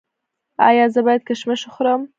ایا زه باید کشمش وخورم؟